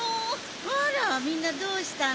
あらみんなどうしたの？